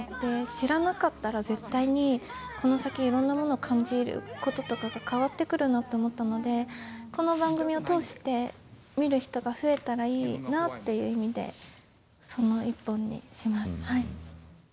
知らなかったら絶対にこの先いろんなものを感じることとかが変わってくるなと思ったのでこの番組を通して見る人が増えたらいいなっていう意味でその１本にしますはい。